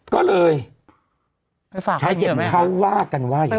ก็เลยใช้เย็นเข้าวาดกันไว้